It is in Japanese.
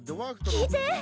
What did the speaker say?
聞いて！